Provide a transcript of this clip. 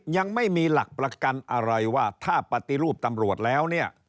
ยังไม่มีหลักประกันอะไรว่าถ้าปฏิรูปตำรวจแล้วเนี่ย